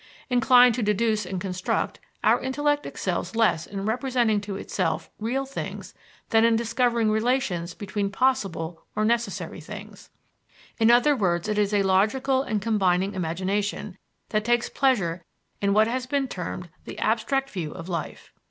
Inclined to deduce and construct, our intellect excels less in representing to itself real things than in discovering relations between possible or necessary things. In other words, it is a logical and combining imagination that takes pleasure in what has been termed the abstract view of life.